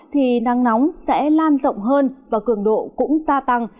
thì nắng nóng sẽ lan rộng hơn và cường độ cũng gia tăng